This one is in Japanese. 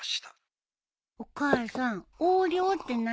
お母さん「横領」って何？